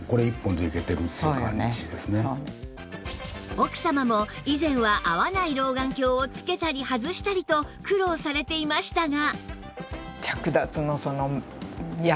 奥様も以前は合わない老眼鏡をつけたり外したりと苦労されていましたが